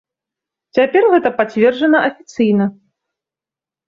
Цяпер гэта пацверджана афіцыйна.